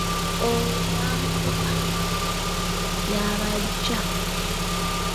Olwo wankuba y’aba ajja.